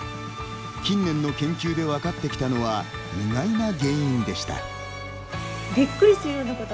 近年の研究で分かってきたのは意外な原因でした。